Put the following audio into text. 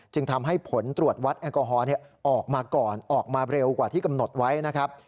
จึงทำให้ผลตรวจวัดแอลกอฮอล์ออกมาก่อนออกมาเร็วกว่าที่กำหนดไว้นะครับ